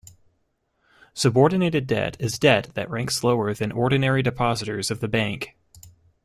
Subordinated debt is debt that ranks lower than ordinary depositors of the bank.